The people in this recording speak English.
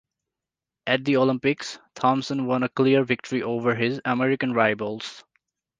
At the Olympics, Thomson won a clear victory over his American rivals.